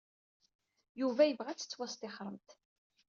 Yuba yebɣa ad tettwastixremt.